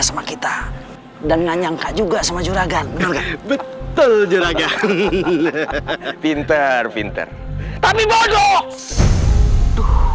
sama kita dan nggak nyangka juga sama juragan betul juragan pinter pinter tapi bodoh